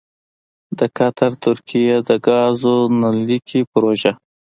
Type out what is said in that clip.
دقطر ترکیې دګازو نل لیکې پروژه: